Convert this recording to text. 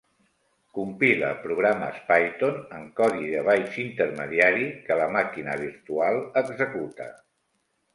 Compila programes Python en codi de bytes intermediari, que la màquina virtual executa.